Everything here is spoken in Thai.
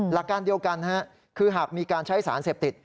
หลักการเดียวกันคือหากมีการใช้สารเสพติด